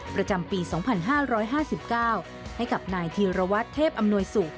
ประจำปี๒๕๕๙ให้กับนายธีรวัตรเทพอำนวยสุข